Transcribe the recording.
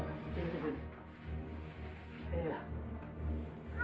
aku mohon padamu ya allah